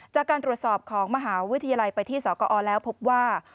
จากการตรวจสอบของมหาวิทยาลัยไปที่สกอแล้วพบว่า